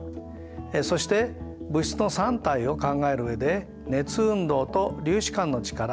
そして「物質の三態」を考える上で「熱運動」と「粒子間の力」